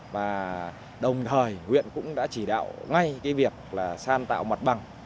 và đồng thời nguyện cũng đã chỉ đạo ngay cái việc là sàn tạo mặt bằng